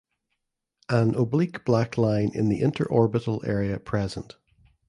An oblique black line in the interorbital area present.